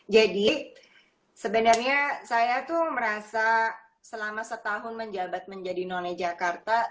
jadi sebenarnya saya tuh merasa selama setahun menjabat menjadi nonenya jakarta